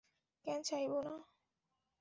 কেন চাইবো না?